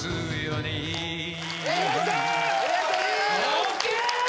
ＯＫ！